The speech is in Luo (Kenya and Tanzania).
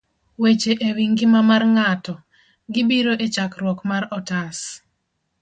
Weche e Wi Ngima mar Ng'ato.gibiro e chakruok mar otas